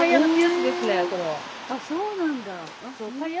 あっそうなんだ。